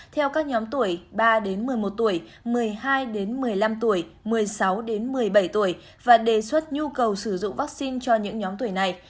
theo các nhóm tuổi ba một mươi một tuổi một mươi hai một mươi năm tuổi một mươi sáu một mươi bảy tuổi và đề xuất nhu cầu sử dụng vaccine cho những nhóm tuổi này